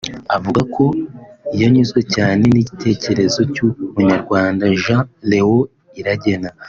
Avuga ko yanyuzwe cyane n’igitekerezo cy’Umunyarwanda Jean Leon Iragena